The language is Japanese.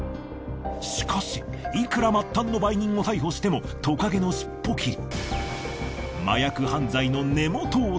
しかしいくら末端の売人を逮捕してもとかげのしっぽ切り。